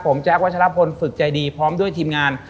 ผมแจ๊ควัชลพลฝึกใจดีพร้อมด้วยทีมงาน